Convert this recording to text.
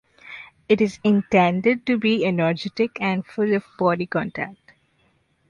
It is intended to be energetic and full of body contact.